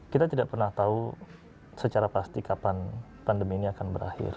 kita tidak pernah tahu secara pasti kapan pandemi ini akan berakhir